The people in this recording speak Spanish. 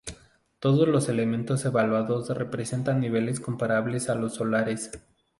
Todos los elementos evaluados presentan niveles comparables a los solares.